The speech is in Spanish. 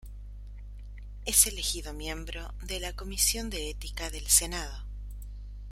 Es elegido miembro de la Comisión de Ética del Senado.